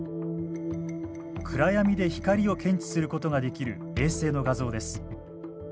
暗闇で光を検知することができる衛星の画像です。